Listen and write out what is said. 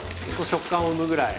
食感を生むぐらい。